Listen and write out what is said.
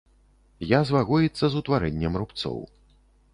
Язва гоіцца з утварэннем рубцоў.